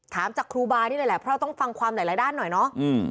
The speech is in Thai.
ถามจากครูบานี่เลยแหละเพราะต้องฟังความหลายด้านหน่อยเนาะ